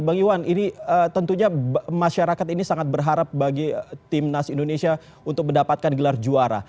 bang iwan ini tentunya masyarakat ini sangat berharap bagi timnas indonesia untuk mendapatkan gelar juara